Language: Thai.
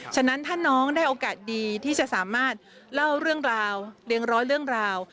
ฉะนั้นถ้าน้องได้โอกาสดีที่จะสามารถเล่าเรื่องราวเรียงร้อยเรื่องราว